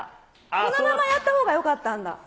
このままやったほうがよかったんだ。